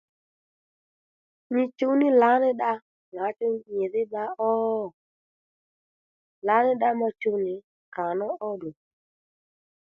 Nyi chuw ní lǎní dda ŋǎchú nyìdhí bba ó? Lǎní dda ma chuw nì kǎnú óddù